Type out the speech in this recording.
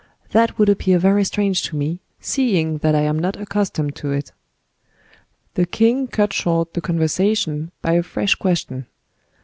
That would appear very strange to me, seeing that I am not accustomed to it." The king cut short the conversation by a fresh question.